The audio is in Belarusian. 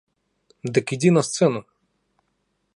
Дык ідзі на сцэну!